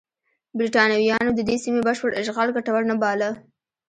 برېټانویانو د دې سیمې بشپړ اشغال ګټور نه باله.